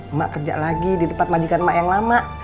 emak kerja lagi di tempat majikan emak yang lama